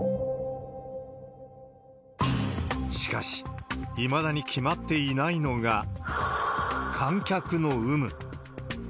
しかし、いまだに決まっていないのが、観客の有無。